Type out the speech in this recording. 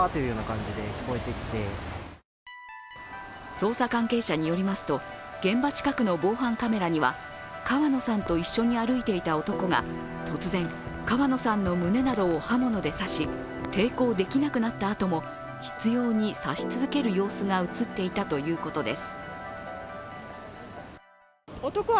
捜査関係者によりますと、現場近くの防犯カメラには川野さんと一緒に歩いていた男が突然、川野さんの胸などを刃物で刺し抵抗できなくなったあとも執ように刺し続ける様子が映っていたということです。